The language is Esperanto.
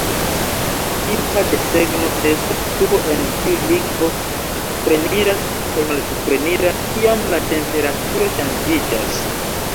Tipa desegno estas tubo en kiu likvo supreniras kaj malsupreniras kiam la temperaturo ŝanĝiĝas.